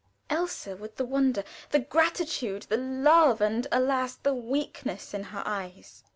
Elsa, with the wonder, the gratitude, the love, and alas! the weakness in her eyes!